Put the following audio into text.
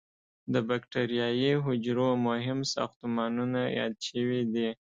د بکټریايي حجرو مهم ساختمانونه یاد شوي دي.